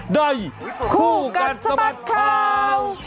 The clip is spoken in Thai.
ได้คู่กันสมัทข่าว